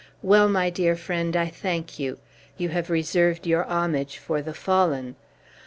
Well, my dear friend, I thank you. You have reserved your homage for the fallen.